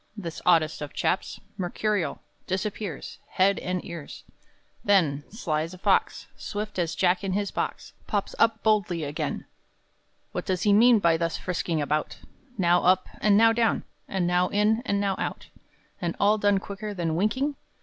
This oddest of chaps, Mercurial, Disappears Head and ears! Then, sly as a fox, Swift as Jack in his box, Pops up boldly again! What does he mean by thus frisking about, Now up and now down, and now in and now out, And all done quicker than winking?